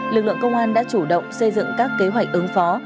lực lượng công an đã chủ động xây dựng các kế hoạch ứng phó